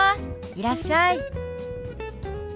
いらっしゃい。